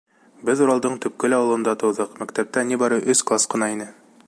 — Беҙ Уралдың төпкөл ауылында тыуҙыҡ, мәктәптә ни бары өс класс ҡына ине.